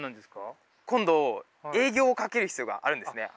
今度営業をかける必要があるんですね。